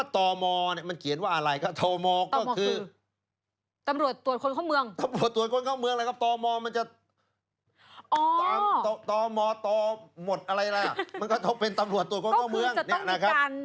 ต่อมอมันจะต่อมอต่อหมดอะไรแหละมันก็ถูกเป็นตำรวจตัวของต้องเมืองนี่นะครับ